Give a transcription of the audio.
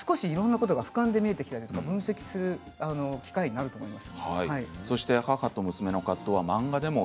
いろんなことがふかんで見えてきて分析する機会になると思います。